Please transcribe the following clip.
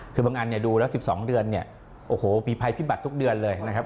คือบางอันเนี่ยดูแล้ว๑๒เดือนเนี่ยโอ้โหมีภัยพิบัตรทุกเดือนเลยนะครับ